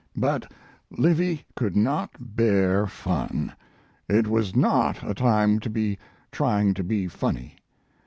But Livy could not hear fun it was not a time to be trying to be funny.